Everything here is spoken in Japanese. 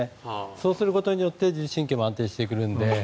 そうすることによって自律神経も安定してくるので。